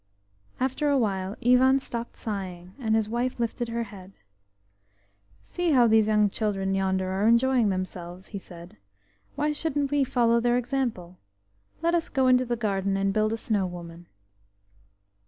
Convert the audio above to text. After a while Ivan stopped sighing, and his wife lifted her head. "See how these children yonder are enjoying themselves," he said; "why shouldn't we follow their example? Let us go into the garden and build a snow woman."